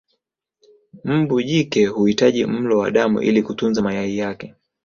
Mbu jike huhitaji mlo wa damu ili kutunza mayai yake